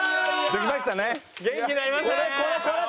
できました！